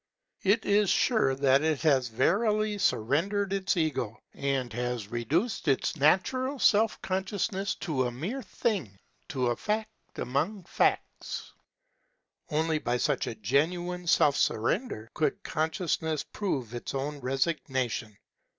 It is sure that it has verily surrendered its Ego, and has reduced its natural self consciousness to a mere thing, to a fact amongst facts. Only by such a genuine self surrender could consciousness prove its own resignation.